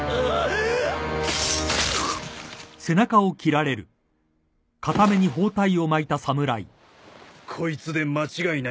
がっ。こいつで間違いないか？